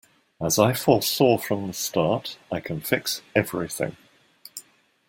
As I foresaw from the start, I can fix everything.